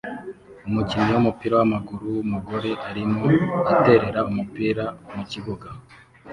Umukinnyi wumupira wamaguru wumugore arimo aterera umupira mukibuga